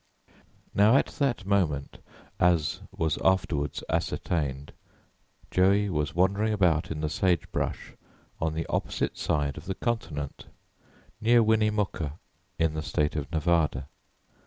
Now, at that moment, as was afterward ascertained, Joey was wandering about in the sagebrush on the opposite side of the continent, near Winnemucca, in the State of Nevada.